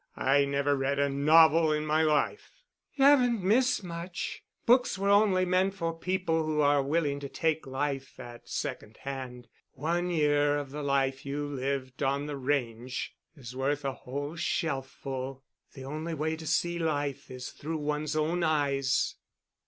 I never read a novel in my life." "You haven't missed much. Books were only meant for people who are willing to take life at second hand. One year of the life you lived on the range is worth a whole shelf ful. The only way to see life is through one's own eyes."